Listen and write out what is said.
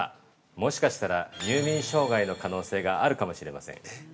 もしかしたら入眠障害の可能性があるかもしれません。